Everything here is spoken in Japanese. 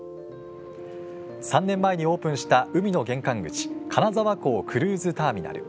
３年前にオープンした海の玄関口金沢港クルーズターミナル。